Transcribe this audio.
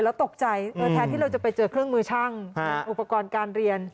แล้วตกใจแทนที่เราจะไปเจอเครื่องมือช่างอุปกรณ์การเรียน